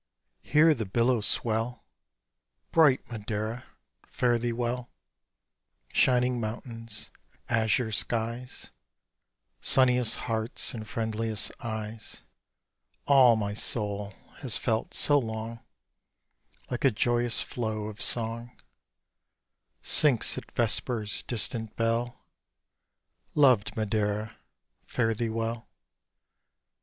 hear the billow swell; Bright Madeira, fare thee well, Shining mountains, azure skies, Sunniest hearts and friendliest eyes: All my soul has felt so long, Like a joyous flow of song, Sinks at vesper's distant bell, Loved Madeira, fare thee well.